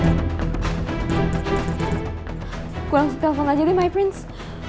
aku langsung telfon aja deh my prince